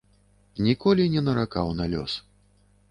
Ніколі не наракаў на лёс.